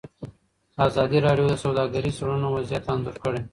ازادي راډیو د سوداګریز تړونونه وضعیت انځور کړی.